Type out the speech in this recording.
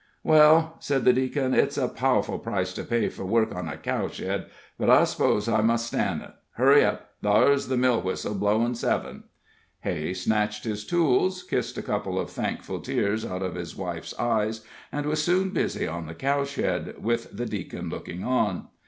"Well," said the Deacon, "it's a powerful price to pay for work on a cow shed, but I s'pose I mus' stan' it. Hurry up; thar's the mill whistle blowin' seven." Hay snatched his tools, kissed a couple of thankful tears, out of his wife's eyes, and was soon busy on the cow shed, with the Deacon looking on.